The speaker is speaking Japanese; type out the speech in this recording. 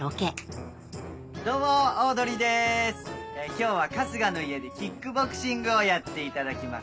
今日は春日の家でキックボクシングをやっていただきます。